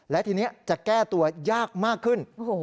และทีนี้จะแก้ตัวยากมากขึ้น